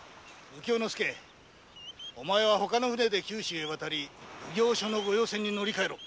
右京之介お前は他の船で九州へ渡り奉行所の御用船に乗り換えろ。